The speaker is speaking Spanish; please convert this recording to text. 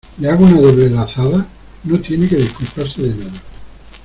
¿ le hago una doble lazada? no tiene que disculparse de nada.